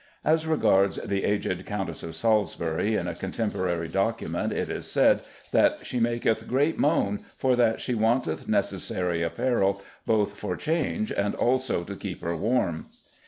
As regards the aged Countess of Salisbury, in a contemporary document it is said that "she maketh great moan, for that she wanteth necessary apparel, both for change and also to keep her warm."